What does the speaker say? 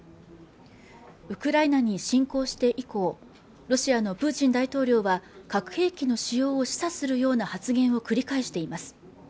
ウクライナに侵攻して以降ロシアのプーチン大統領は核兵器の使用を示唆するような発言を繰り返しています